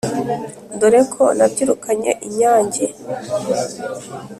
Dore ko nabyirukanye inyange